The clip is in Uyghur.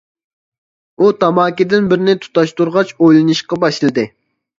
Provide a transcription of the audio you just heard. ئۇ تاماكىدىن بىرنى تۇتاشتۇرغاچ ئويلىنىشقا باشلىدى.